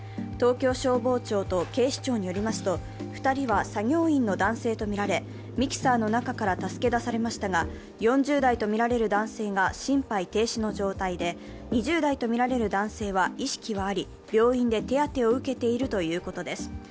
東京消防庁と警視庁によりますと２人は作業員の男性とみられミキサーの中から助け出されましたが、４０代とみられる男性が心肺停止の状態で２０代とみられる男性は意識はあり病院で手当てを受けているということです。